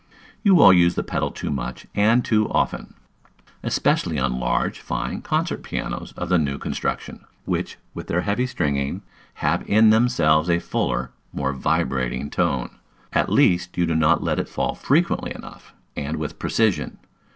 You all use the pedal too much and too often, especially on large, fine concert pianos of the new construction, which, with their heavy stringing, have in themselves a fuller, more vibrating tone; at least you do not let it fall frequently enough, and with precision.